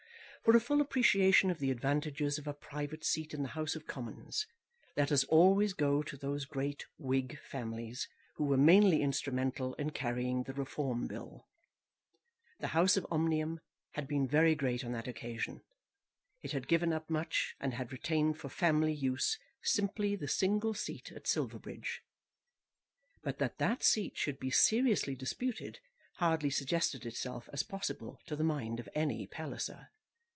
For a full appreciation of the advantages of a private seat in the House of Commons let us always go to those great Whig families who were mainly instrumental in carrying the Reform Bill. The house of Omnium had been very great on that occasion. It had given up much, and had retained for family use simply the single seat at Silverbridge. But that that seat should be seriously disputed hardly suggested itself as possible to the mind of any Palliser.